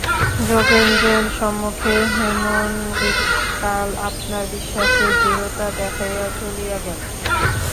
যোগেন্দ্রের সম্মুখে হেমনলিনী কাল আপনার বিশ্বাসের দৃঢ়তা দেখাইয়া চলিয়া গেল।